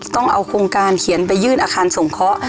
ต้องเอาโครงการเขียนไปยื่นอาคารสงเคราะห์